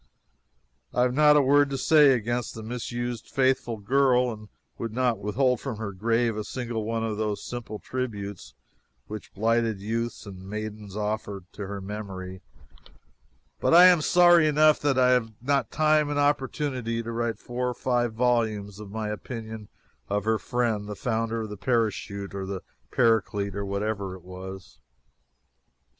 I have not a word to say against the misused, faithful girl, and would not withhold from her grave a single one of those simple tributes which blighted youths and maidens offer to her memory, but I am sorry enough that I have not time and opportunity to write four or five volumes of my opinion of her friend the founder of the Parachute, or the Paraclete, or whatever it was.